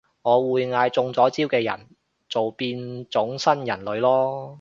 我會嗌中咗招嘅人做變種新人類囉